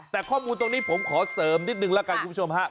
แต่ข้อมูลตรงนี้ผมขอเสริมนิดนึงแล้วกันคุณผู้ชมฮะ